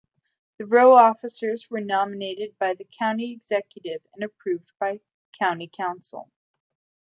The Row Officers are nominated by the county executive and approved by county council.